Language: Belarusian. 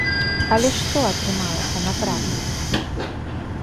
Але што атрымалася на практыцы?